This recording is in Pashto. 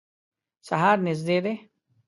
سهار نیژدي دی